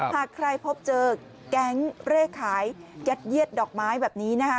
หากใครพบเจอแก๊งเร่ขายยัดเยียดดอกไม้แบบนี้นะคะ